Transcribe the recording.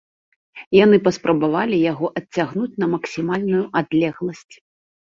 Яны паспрабавалі яго адцягнуць на максімальную адлегласць.